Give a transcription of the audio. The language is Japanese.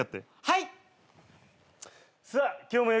はい！